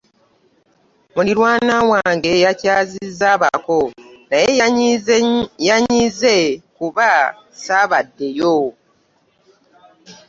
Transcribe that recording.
Muliraanwa wange yakyazizza abako naye yanyiize kuba ssaabaddeyo.